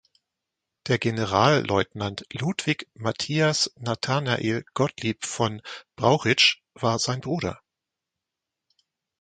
Der Generalleutnant Ludwig Matthias Nathanael Gottlieb von Brauchitsch war sein Bruder.